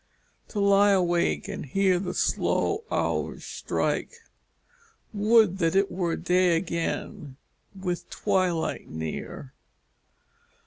to lie awake and hear the slow hours strike! Would that it were day again! with twilight near!